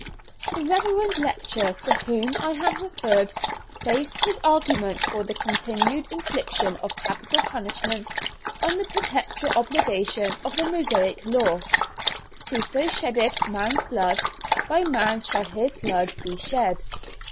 The reverend lecturer to whom I have referred, based his argument for the continued infliction of capital punishment on the perpetual obligation of the Mosaic law: "Whoso sheddeth man's blood, by man shall his blood be shed."